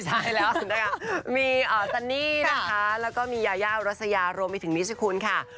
ใช่แล้วนะคะมีซันนี่นะคะแล้วก็มียายาอุรัสยารวมไปถึงนิสคุณค่ะ